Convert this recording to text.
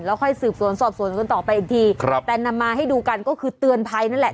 ค่อยสืบสวนสอบสวนกันต่อไปอีกทีครับแต่นำมาให้ดูกันก็คือเตือนภัยนั่นแหละ